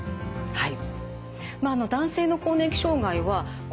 はい。